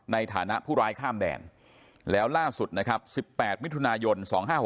ในฐานะผู้ร้ายข้ามแดนแล้วล่าสุดนะครับ๑๘มิถุนายน๒๕๖๖